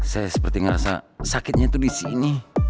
saya seperti ngerasa sakitnya tuh disini